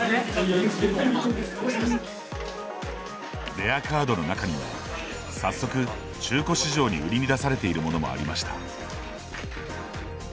レアカードの中には、早速中古市場に売りに出されているものもありました。